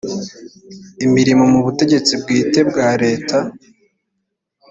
imirimo mu butegetsi bwite bwa leta